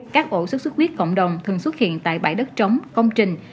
các ổ sốt xuất huyết cộng đồng thường xuất hiện tại bãi đất trống công trình